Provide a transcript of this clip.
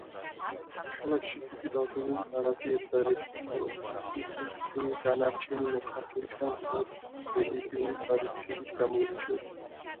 ქალაქში დიდი რაოდენობით არაბი ებრაელებიც ცხოვრობდნენ, თუმცა ისინი დანარჩენი მოქალაქეებისგან მხოლოდ რელიგიური ტრადიციებით გამოირჩეოდნენ.